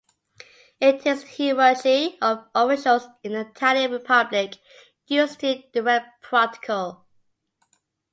It is a hierarchy of officials in the Italian Republic used to direct protocol.